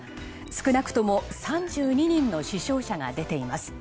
少なくとも３２人の死傷者が出ています。